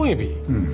うん。